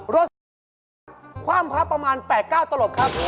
รถที่กลายมาความพร้อมประมาณ๘๙ตลอดครับ